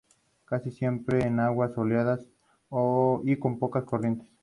Sin embargo, el exceso de exposición hizo que sus demandas se fueran en declive.